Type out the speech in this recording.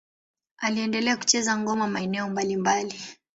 Aliendelea kucheza ngoma maeneo mbalimbali.